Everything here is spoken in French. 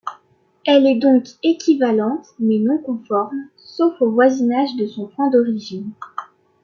Elle est donc équivalente, mais non conforme, sauf au voisinage de son point d'origine.